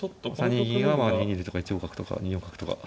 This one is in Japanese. ３二銀は２二竜とか１五角とか２四角とか。